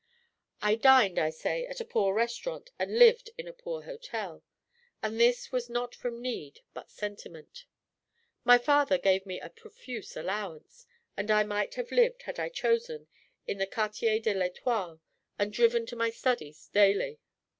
I dined, I say, at a poor restaurant and lived in a poor hotel; and this was not from need, but sentiment. My father gave me a profuse allowance, and I might have lived (had I chosen) in the Quartier de l'Etoile and driven to my studies daily.